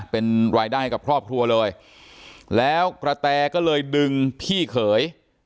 เป็นรายได้ให้กับครอบครัวเลยแล้วกระแตก็เลยดึงพี่เขย